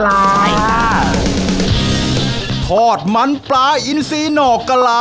อร่อยเชียบแน่นอนครับอร่อยเชียบแน่นอนครับ